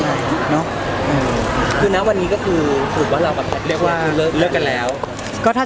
สาเหตุหลักคืออะไรหรอครับผมว่าเราก็ไม่คอมิวนิเคทกัน